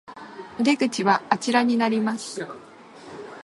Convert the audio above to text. お出口はあちらになります